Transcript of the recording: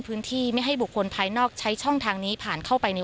พื้นที่ไม่ให้บุคคลภายนอกใช้ช่องทางนี้ผ่านเข้าไปใน